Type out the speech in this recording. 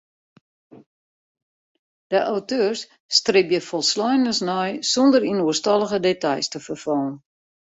De auteurs stribje folsleinens nei sûnder yn oerstallige details te ferfallen.